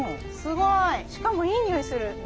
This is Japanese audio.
すごい！しかもいい匂いする。